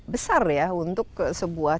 besar ya untuk sebuah